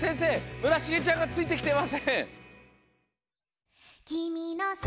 村重ちゃんがついてきてません！